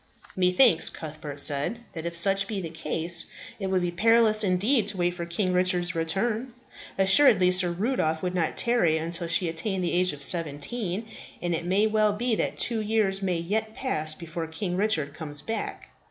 "Methinks," Cuthbert said, "that if such be the case it would be perilous indeed to wait for King Richard's return. Assuredly Sir Rudolph would not tarry until she attained the age of seventeen, and it may well be that two years may yet pass before King Richard comes back.